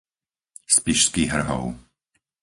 Spišský Hrhov